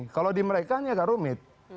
kalau di mereka ini agak rumit